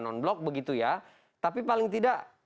non blok begitu ya tapi paling tidak